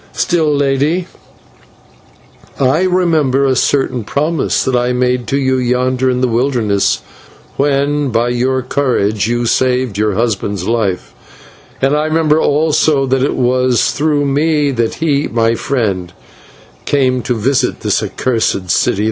Still, Lady, I remember a certain promise that I made to you yonder in the wilderness, when by your courage you saved your husband's life; and I remember also that it was through me that he, my friend, came to visit this accursed city.